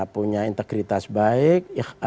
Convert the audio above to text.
punya integritas baik